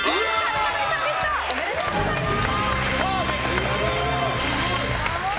知事、おめでとうございます。